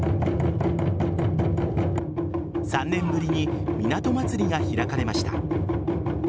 ３年ぶりにみなとまつりが開かれました。